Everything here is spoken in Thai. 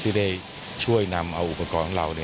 ที่ได้ช่วยนำโบกรณ์เรา